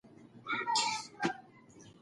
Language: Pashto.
تاسو باید په ژوند کې د وخت او ځای مطابق خبرې وکړئ.